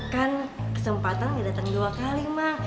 kan kesempatan gak datang dua kali mang